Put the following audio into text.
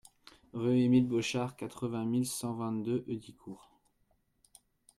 Rue Émile Bauchart, quatre-vingt mille cent vingt-deux Heudicourt